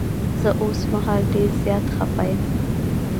زه اوس مهال ډير زيات خفه یم.